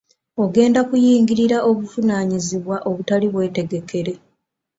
Ogenda kuyingirira obuvunaanyizibwa obutali bwetegekere.